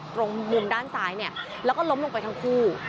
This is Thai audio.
ตรงมุมด้านซ้ายเนี่ยแล้วก็ล้มลงไปทั้งคู่